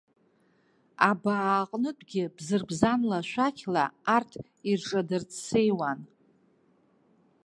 Абаа аҟнытәгьы бзырбзанла, шәақьла арҭ ирҿадырццеиуан.